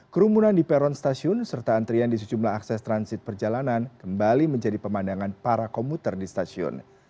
kerumunan di peron stasiun serta antrian di sejumlah akses transit perjalanan kembali menjadi pemandangan para komuter di stasiun